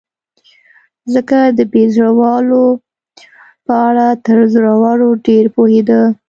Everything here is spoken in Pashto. ځکه د بې زړه والاو په اړه تر زړورو ډېر پوهېده.